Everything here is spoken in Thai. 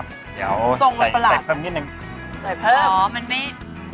เดี๋ยวใส่เพิ่มนิดนึงเหรอมันไม่ทรงมันประหลัด